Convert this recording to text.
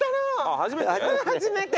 初めて？